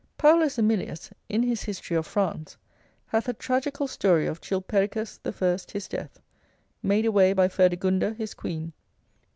Paulus Aemilius, in his history of France, hath a tragical story of Chilpericus the First his death, made away by Ferdegunde his queen.